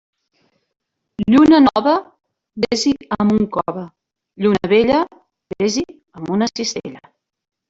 Lluna nova, vés-hi amb un cove; lluna vella, vés-hi amb una cistella.